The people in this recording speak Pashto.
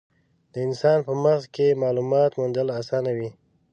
د انسان په مغز کې مالومات موندل اسانه وي.